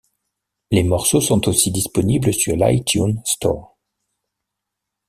Les morceaux sont aussi disponibles sur l'iTunes Store.